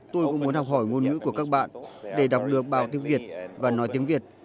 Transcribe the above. tôi cũng muốn học hỏi ngôn ngữ của các bạn để đọc được bài tiếng việt và nói tiếng việt